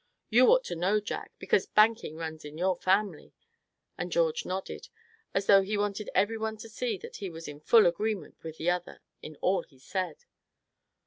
You ought to know, Jack, because banking runs in your family," and George nodded, as though he wanted every one to see that he was in full agreement with the other in all he said.